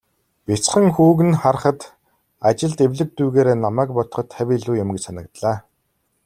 Бяцхан хүүг нь харахад, ажилд эвлэг дүйгээрээ намайг бодоход хавь илүү юм гэж санагдлаа.